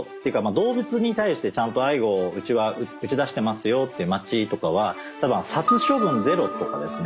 動物に対してちゃんと愛護をうちは打ち出してますよっていう町とかは殺処分ゼロとかですね